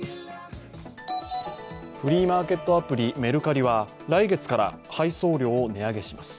フリーマーケットアプリメルカリは来月から配送料を値上げします。